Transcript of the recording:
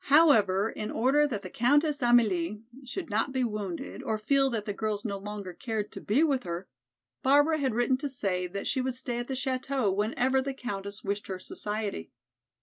However, in order that the Countess Amélie should not be wounded, or feel that the girls no longer cared to be with her, Barbara had written to say that she would stay at the chateau whenever the Countess wished her society.